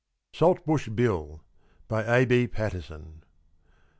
_ SALTBUSH BILL. BY A. B. PATERSON.